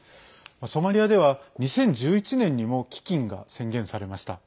ソマリアでは２０１１年にも飢きんが宣言されました。